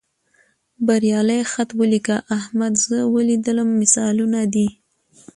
بریالي خط ولیکه، احمد زه ولیدلم مثالونه دي.